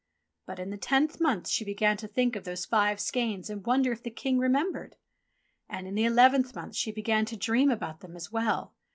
But in the tenth month she began to think of those five skeins and wonder if the King remembered ? And in the eleventh month she began to dream about them as well.